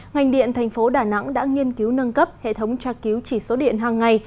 ngành điện thành phố đà nẵng đã nghiên cứu nâng cấp hệ thống tra cứu chỉ số điện hàng ngày